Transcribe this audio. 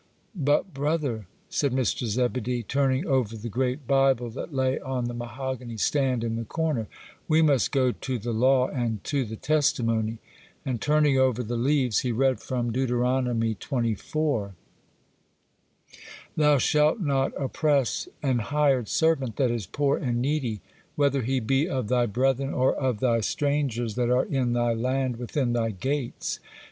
'But, brother,' said Mr. Zebedee, turning over the great Bible that lay on the mahogany stand in the corner, 'we must go to the law and to the testimony,'—and, turning over the leaves, he read from Deuteronomy xxiv.:— 'Thou shalt not oppress an hired servant that is poor and needy, whether he be of thy brethren or of thy strangers that are in thy land within thy gates.